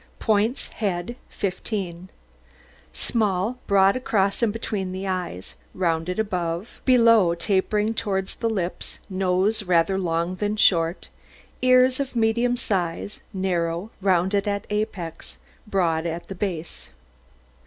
POINTS HEAD 15 Small, broad across and between the eyes, rounded above, below tapering towards the lips, nose rather long than short, ears of medium size, narrow, rounded at apex, broad at the base.